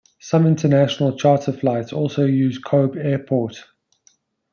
Some international charter flights also use Kobe Airport.